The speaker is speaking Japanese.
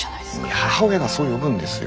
母親がそう呼ぶんですよ。